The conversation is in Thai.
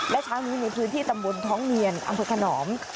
และเช้านี้ในพื้นที่ตำบลท้องเนียนอำเภอขนอม